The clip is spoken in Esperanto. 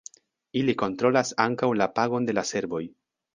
Ili kontrolas ankaŭ la pagon de la servoj.